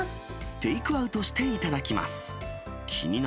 テイクアウトして頂きます。